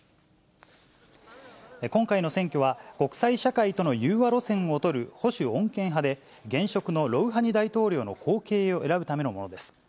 今回の選挙は、国際社会との融和路線を取る保守・穏健派で現職のロウハニ大統領の後継を選ぶためのものです。